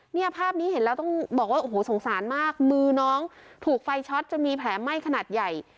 เนี่ยภาพนี้เห็นแล้วต้องบอกว่าโอ้โหสงสารมากมือน้องถูกไฟช็อตจนมีแผลไหม้ขนาดใหญ่